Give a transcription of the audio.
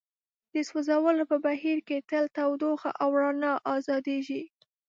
د سوځولو په بهیر کې تل تودوخه او رڼا ازادیږي.